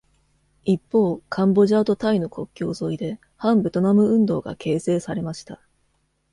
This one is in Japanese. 一方、カンボジアとタイの国境沿いで反ベトナム運動が形成されました。